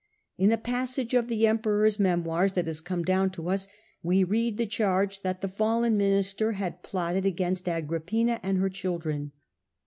In a passage of the Emperor's memoirs that has come down to us we read the charge that the fallen minister had plotted against Agrippina and her children.